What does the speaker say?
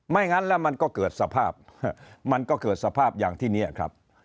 งั้นแล้วมันก็เกิดสภาพมันก็เกิดสภาพอย่างที่เนี่ยครับ